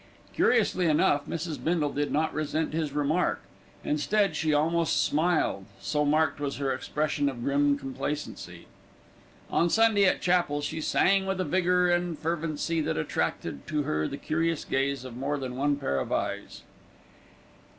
Curiously enough, Mrs. Bindle did not resent his remark; instead she almost smiled, so marked was her expression of grim complacency. On Sunday at chapel, she sang with a vigour and fervency that attracted to her the curious gaze of more than one pair of eyes.